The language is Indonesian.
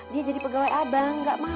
dia jadi pegawai abang gak mau